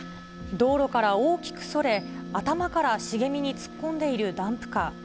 道路から大きくそれ、頭から茂みに突っ込んでいるダンプカー。